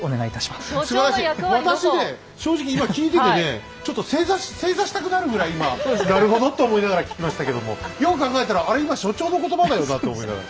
私ね正直今聞いててねちょっと正座したくなるぐらい今なるほどと思いながら聞きましたけどもよく考えたらあれ今所長の言葉だよなと思いながら。